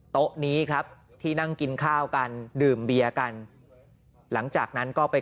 โต๊ะนี้ครับที่นั่งกินข้าวกันดื่มเบียร์กันหลังจากนั้นก็ไป